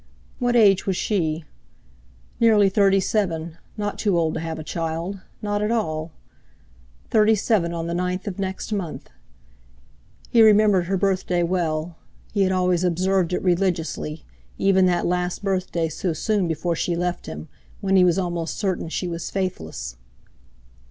What age was she? Nearly thirty seven—not too old to have a child—not at all! Thirty seven on the ninth of next month. He remembered her birthday well—he had always observed it religiously, even that last birthday so soon before she left him, when he was almost certain she was faithless.